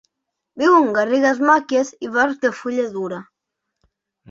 Viu en garrigues màquies i bosc de fulla dura.